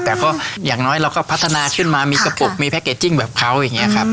แต่ก็อย่างน้อยเราก็พัฒนาขึ้นมามีกระปุกมีแพ็กเกจจิ้งแบบเขาอย่างนี้ครับ